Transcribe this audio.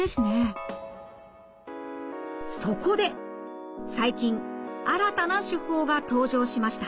そこで最近新たな手法が登場しました。